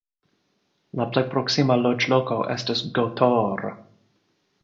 La plej proksima loĝloko estas Gotor.